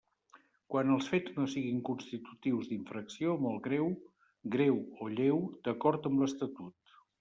Quan els fets no siguin constitutius d'infracció molt greu, greu o lleu, d'acord amb l'Estatut.